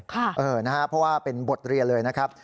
เพราะว่าเป็นบทเรียนเลยนะครับ